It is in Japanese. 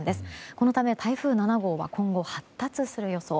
このため、台風７号は今後、発達する予想。